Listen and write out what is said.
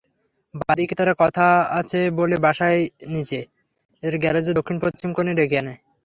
বাদীকে তাঁরা কথা আছে বলে বাসার নিচের গ্যারেজের দক্ষিণ-পশ্চিম কোণে ডেকে নেন।